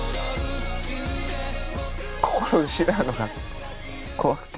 こころを失うのが怖くて。